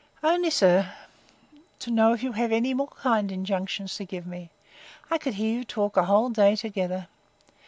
—Only, sir, to know if you have any more kind injunctions to give me?—I could hear you talk a whole day together.